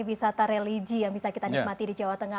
wisata religi yang bisa kita nikmati di jawa tengah